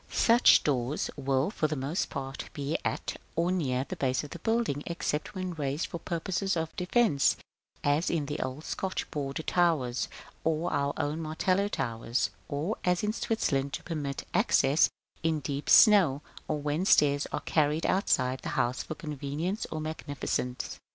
Such doors will, for the most part, be at, or near, the base of the building; except when raised for purposes of defence, as in the old Scotch border towers, and our own Martello towers, or, as in Switzerland, to permit access in deep snow, or when stairs are carried up outside the house for convenience or magnificence.